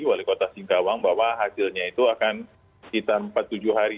wali kota singkawang bahwa hasilnya itu akan sekitar empat tujuh hari